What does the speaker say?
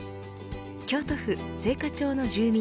京都府・精華町の住民